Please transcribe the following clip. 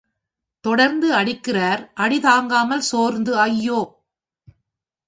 தொடர்ந்து அடிக்கிறார் அடி தாங்காமல் சோர்ந்து, ஐயோ!